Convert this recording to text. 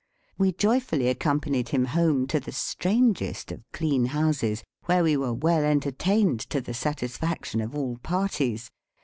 We joyfully accompanied him home to the strangest of clean houses, where we were well entertained to the satisfaction of all parties.